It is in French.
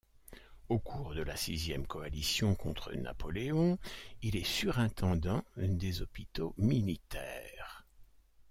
Au cours de la Sixième Coalition contre Napoléon, il est surintendant des hôpitaux militaires.